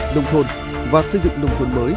nông thôn và xây dựng nông thuần mới